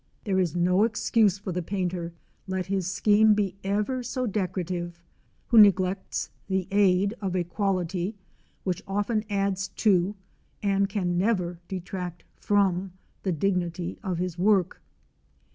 There is no excuse for the painter, let his scheme be ever so decorative, who neglects the aid of a quality which often adds to, and can never detract from, the dignity of his work.